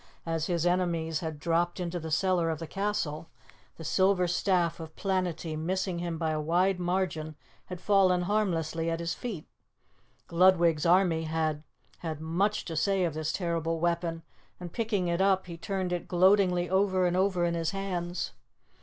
As his enemies had dropped into the cellar of the castle, the silver staff of Planetty missing him by a wide margin had fallen harmlessly at his feet. Gludwig's army had had much to say of this terrible weapon, and picking it up, he turned it gloatingly over and over in his hands.